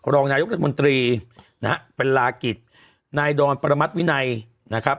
รองนายกรัฐมนตรีนะฮะเป็นลากิจนายดอนประมัติวินัยนะครับ